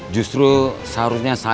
justru seharusnya saya